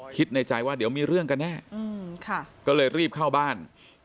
คิดในใจว่าเดี๋ยวมีเรื่องกันแน่ก็เลยรีบเข้าบ้าน